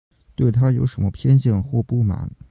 对她有什么偏见或不满